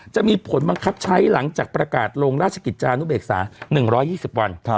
จะมีผลบังคับใช้หลังจากประกาศลงราชกิจจานุเบกษา๑๒๐วัน